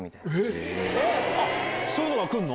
そういうのが来るの？